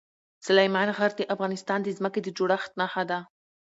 سلیمان غر د افغانستان د ځمکې د جوړښت نښه ده.